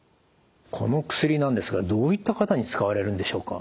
この薬なんですがどういった方に使われるんでしょうか？